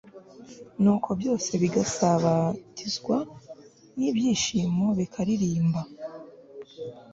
nuko byose bigasabagizwa n'ibyishimo, bikaririmba